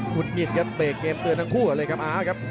คุณมิตรก็เปลี่ยนเกมเตือนทั้งคู่กันเลยครับ